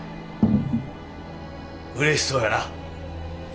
うれしそうやな。